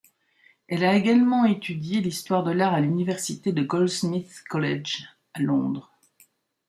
Elle a également étudié l'histoire de l'art à l'université de Goldsmith's College à Londres.